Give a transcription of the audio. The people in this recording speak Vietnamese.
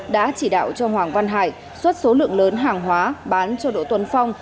đã chỉ đạo cho hoàng văn hải xuất số lượng lớn hàng hóa bán cho độ tuần phong